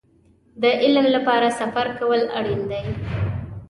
د علم لپاره سفر کول اړين دی.